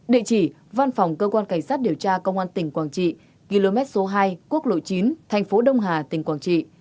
địa chỉ văn phòng cơ quan cảnh sát điều tra công an tỉnh quảng trị km số hai quốc lộ chín thành phố đông hà tỉnh quảng trị